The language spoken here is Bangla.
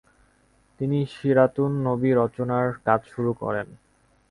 তিনি সীরাতুন নবী রচনার কাজ শুরু করেন।